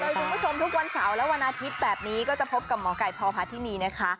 คุณผู้ชมทุกวันเสาร์และวันอาทิตย์แบบนี้ก็จะพบกับหมอไก่พพาธินีนะคะ